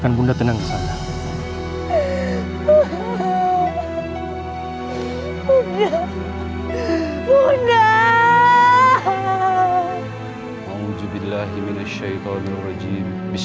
hanrive di adalah kakak kandung dari burukian dari majati beliau bermukim di